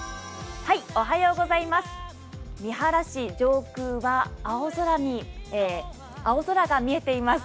三原市上空は青空が見えています。